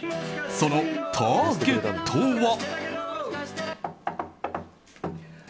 そのターゲットは。